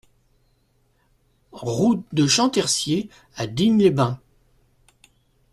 Route de Champtercier à Digne-les-Bains